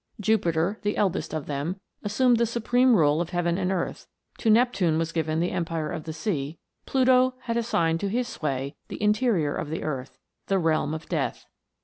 Jupiter, the eldest of them, assumed the supreme rule of heaven and earth; to Neptune was given the empire of the sea ; Pluto had assigned to his sway the interior of the earth the realm of death.